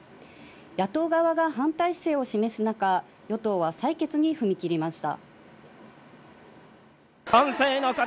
野党側が反対姿勢を示す中、与党は採決に踏み切りました。